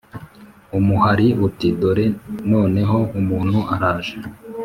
umuhari uti ” dore noneho umuntu araje,